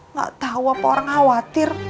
gak tau apa orang khawatir